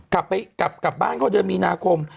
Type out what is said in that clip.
กลับไปกลับบ้านก็เดือนมีนาคม